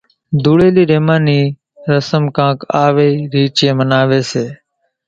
ڌوڙِيلي رميا نِي رسم ڪانڪ آوي ريچين مناوون سي۔